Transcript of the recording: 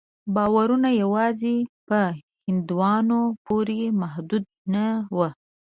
باورونه یوازې په هندوانو پورې محدود نه وو.